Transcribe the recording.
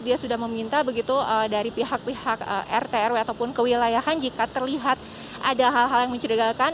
dia sudah meminta begitu dari pihak pihak rtrw ataupun kewilayahan jika terlihat ada hal hal yang mencerigakan